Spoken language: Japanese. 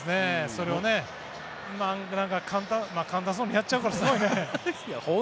それを簡単そうにやっちゃうからすごいね。